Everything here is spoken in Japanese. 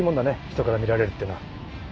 人から見られるってのは。